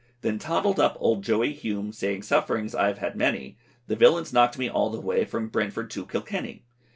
Then toddled up old Joey Hume, Saying sufferings I have had many, The villains knock'd me all the way, From Brentford to Kilkenny.